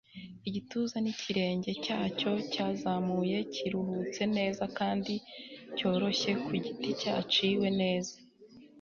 igituza n'ikirenge cyacyo cyazamuye kiruhutse neza kandi cyoroshye ku giti cyaciwe neza